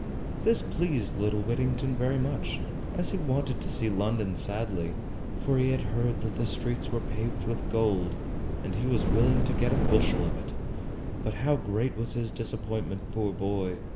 This pleased little Whittington very much, as he wanted to see London sadly, for he had heard that the streets were paved with gold, and he was willing to get a bushel of it; but how great was his disappointment, poor boy!